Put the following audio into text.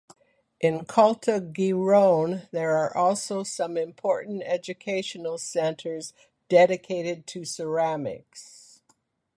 In Caltagirone there are also some important educational centers dedicated to ceramics.